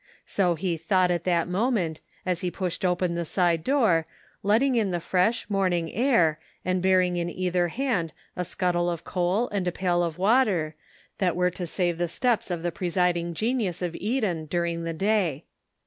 So he thought at that moment, as he pushed open the side door, letting in the fresh, morning air, and bearing in either hand a scuttle of coal and a pail of water, that were to save the steps of the presiding genius of Eden during the day.